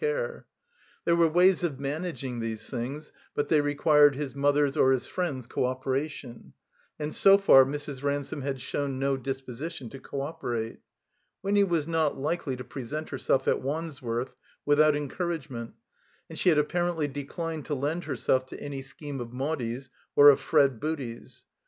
care. There were ways of managing these things, but they re quired his mother's or his friends' 20 operation; and so far Mrs. Ransome had shown > disposition to co operate. Winny was not likely present her self at Wandsworth without encourageiilent, and she had apparently declined to lend herself to any scheme of Maudie's or of Fred Booty's.